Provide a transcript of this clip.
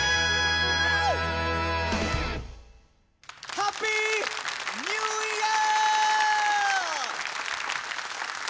ハッピーニューイヤー！